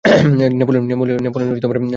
Napoleon, আমি আসছি।